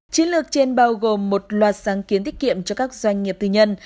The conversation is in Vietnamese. chiến lược trên bao gồm một loạt sáng kiến tiết kiệm cho các doanh nghiệp tư nhân